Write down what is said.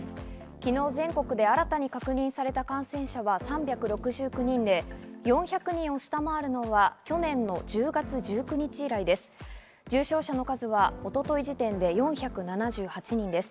昨日、全国で新たに確認された感染者は３６９人で、４００人を下回るのは去年の１０月１９日以来です。